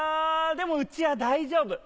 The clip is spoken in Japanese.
でもうちは大丈夫。